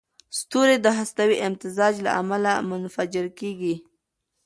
ستوري د هستوي امتزاج له امله منفجر کېږي.